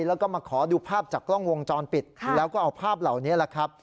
แล้วก็มาขอดูภาพจากกล้องวงจรปิดแล้วก็เอาภาพเหล่านี้แหละครับ